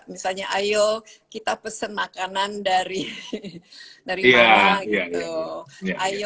misalnya ayo kita pesen makanan dari mana gitu ayo